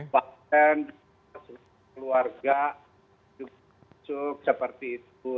bapak dan keluarga juga masuk seperti itu